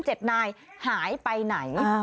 เจ็ดนายหายไปไหน